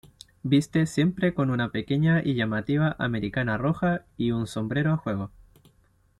Viste siempre con una pequeña y llamativa americana roja y un sombrero a juego.